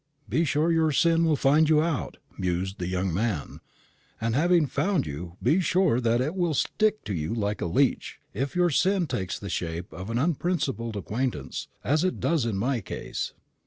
"'Be sure your sin will find you out,'" mused the young man; "and having found you, be sure that it will stick to you like a leech, if your sin takes the shape of an unprincipled acquaintance, as it does in my case.